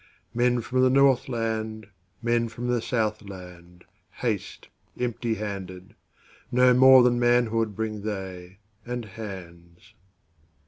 Man from the Northland, Man from the Southland, Haste empty handed; No more than manhoodBring they, and hands.